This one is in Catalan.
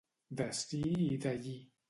D'ací i d'allí.